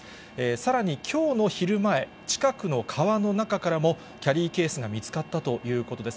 さらにきょうの昼前、近くの川の中からもキャリーケースが見つかったということです。